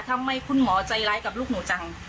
ทำไมคุณหมอใจร้ายกับลูกหนูจัง